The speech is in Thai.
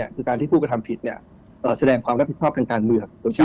คือการที่ผู้กระทำผิดแสดงความรับผิดชอบทางการเมือง